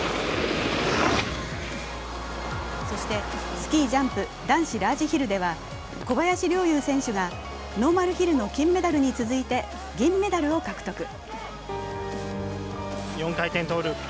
そして、スキージャンプ男子ラージヒルでは、小林陵侑選手がノーマルヒルの金メダルに続いて銀メダルを獲得。